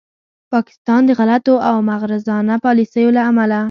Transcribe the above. پاکستان د غلطو او مغرضانه پالیسیو له امله